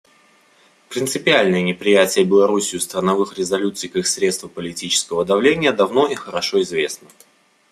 Принципиальное неприятие Беларусью страновых резолюций как средства политического давления давно и хорошо известно.